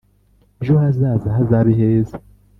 Ejo hazaza hazabe heza